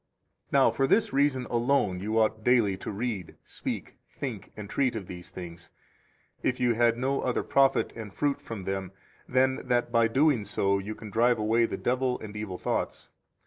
11 Now, for this reason alone you ought gladly to read, speak, think and treat of these things, if you had no other profit and fruit from them than that by doing so you can drive away the devil and evil thoughts.